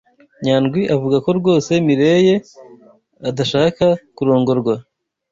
Nyandwi avuga ko rwose Mirelle adashaka kurongorwa.